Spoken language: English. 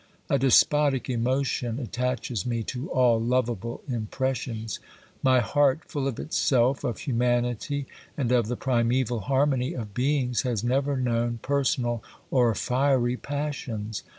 A despotic emotion attaches me to all lovable impressions ; my heart, full of itself, of humanity and of the primeval harmony of beings, has never known personal or fiery passions.